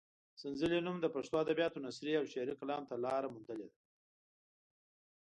د سنځلې نوم د پښتو ادبیاتو نثري او شعري کلام ته لاره موندلې ده.